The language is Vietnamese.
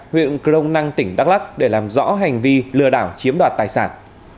huyện crong năng tỉnh đắk lắc để làm rõ hành vi lừa đảo chiếm đoạt tài sản